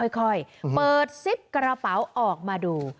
ค่อยเปิดซิปกระเป๋าออกมาดู